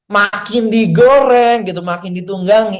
makin digoreng gitu makin ditunggangi